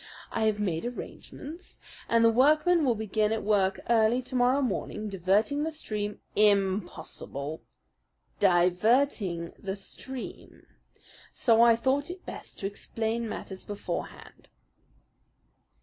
I have made arrangements, and the workmen will be at work early to morrow morning diverting the stream " "Impossible!" " diverting the stream; so I thought it best to explain matters beforehand.